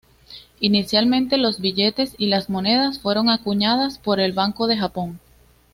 Inicialmente los billetes y las monedas fueron acuñadas por el Banco de Japón.